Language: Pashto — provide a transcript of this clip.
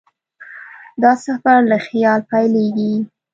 دا سفر له خیال پیلېږي.